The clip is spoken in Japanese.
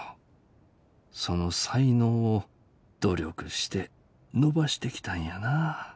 その才能を努力して伸ばしてきたんやな。